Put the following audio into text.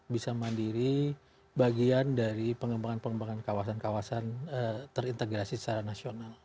bisa mandiri bagian dari pengembangan pengembangan kawasan kawasan terintegrasi secara nasional